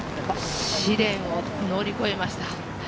試練を乗り越えました。